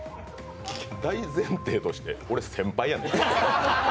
大前提として、俺先輩やねん。